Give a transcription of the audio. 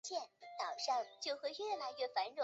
超擢内阁侍读学士。